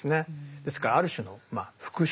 ですからある種のまあ復讐。